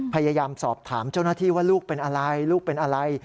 พยายามสอบถามเจ้าหน้าที่ว่าลูกเป็นอะไรลูกเป็นอะไร